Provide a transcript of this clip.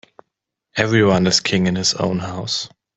Every one is king in his own house.